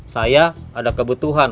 saya ada kebutuhan